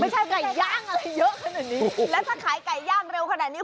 ไก่ย่างอะไรเยอะขนาดนี้แล้วถ้าขายไก่ย่างเร็วขนาดนี้